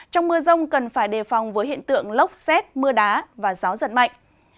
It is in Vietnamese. trong mưa rông cần phải đề phòng với hiện tượng lốc xét mưa đá và gió giật mạnh